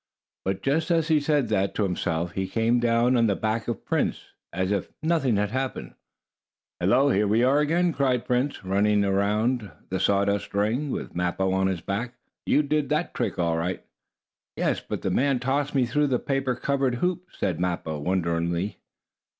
But, just as he said that to himself, he came down on the back of Prince, as if nothing had happened. "Hello, here we are again!" cried Prince, running on around the sawdust ring, with Mappo on his back. "You did that trick all right." "Yes, but the man tossed me through the paper covered hoop," spoke Mappo, wonderingly.